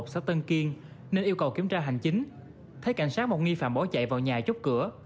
xã tân kiên nên yêu cầu kiểm tra hành chính thấy cảnh sát một nghi phạm bỏ chạy vào nhà chốt cửa